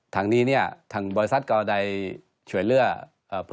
ทางนี้เนี่ยทางบริษัทก็ได้ช่วยเลือก